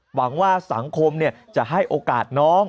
หวังว่าสังคมจะให้โอกาสน้อง